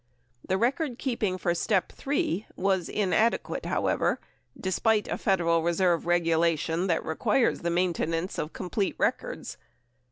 The recordkeeping for step (3) was inadequate, however, despite a Federal Reserve regulation 88 that requires the maintenance of com plete records.